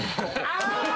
あ！